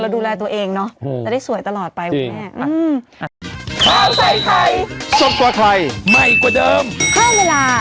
คุณแฟนคุณแฟน